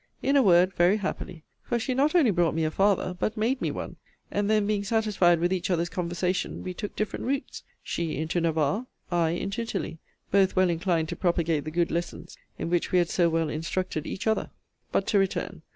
In a word, very happily: for she not only brought me a father, but made me one: and then, being satisfied with each other's conversation, we took different routes: she into Navarre; I into Italy: both well inclined to propagate the good lessons in which we had so well instructed each other. But to return.